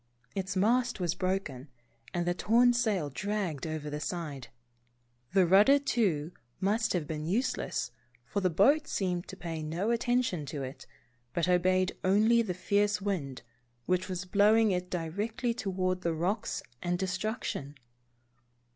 Its mast was broken, and the torn sail dragged over the side. The rud der, too, must have been useless, for the boat seemed to pay no attention to it, but obeyed only the fierce wind, which was blowing it directly toward the rocks and destruction